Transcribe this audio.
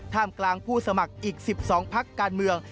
ท่ามกลางผู้สมัครอีก๑๒ภักดิ์การเมือง